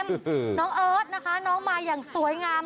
น้องเอิร์ทนะคะน้องมาอย่างสวยงาม